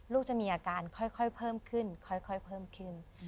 จะมีอาการค่อยเพิ่มขึ้นค่อยเพิ่มขึ้น